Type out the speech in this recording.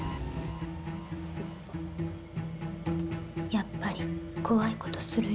やっぱり怖いことするよ